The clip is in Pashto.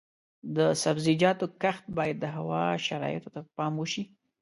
د سبزیجاتو کښت باید د هوا شرایطو ته په پام وشي.